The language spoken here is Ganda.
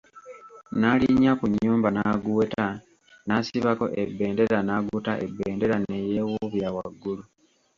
N'alinnya ku nnyumba n'aguweta n'asibako ebendera n'aguta ebendera ne yeewuubira waggulu.